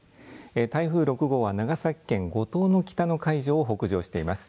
台風６号は長崎県五島の北の海上を北上しています。